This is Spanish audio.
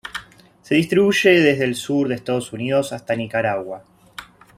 Se distribuye desde el sur de Estados Unidos hasta Nicaragua.